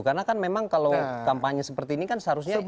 karena kan memang kalau kampanye seperti ini kan seharusnya